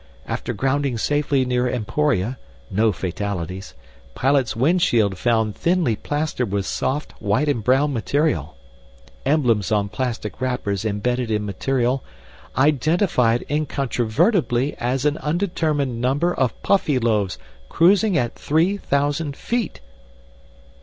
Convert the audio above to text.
After grounding safely near Emporia no fatalities pilot's windshield found thinly plastered with soft white and brown material. Emblems on plastic wrappers embedded in material identify it incontrovertibly as an undetermined number of Puffyloaves cruising at three thousand feet!"